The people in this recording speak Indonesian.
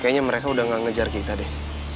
kayaknya mereka udah gak ngejar kita deh